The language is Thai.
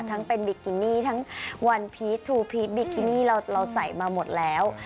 ทั้งเป็นบิกินี่ทั้งวันพีชทูพีชบิกินี่เราใส่มาหมดแล้ว